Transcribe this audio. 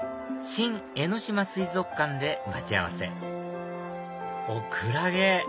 新江ノ島水族館で待ち合わせおっクラゲ！